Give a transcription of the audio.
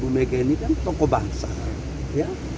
dan mereka kan bersahabat ya